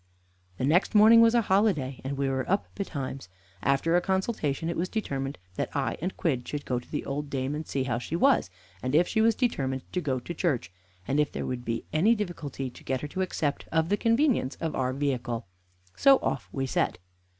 The next morning was a holiday, and we were up betimes. After a consultation it was determined that I and Quidd should go to the old dame and see how she was, and if she was determined to go to church, and if there would be any difficulty to get her to accept of the convenience of our vehicle; so off we set.